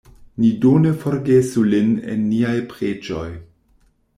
Ni do ne forgesu lin en niaj preĝoj.